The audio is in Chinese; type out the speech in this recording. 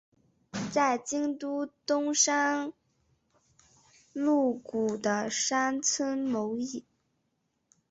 在京都东山鹿谷的山庄谋议。